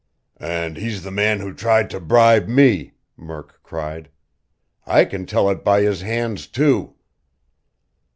"And he's the man who tried to bribe me!" Murk cried. "I can tell it by his hands, too!"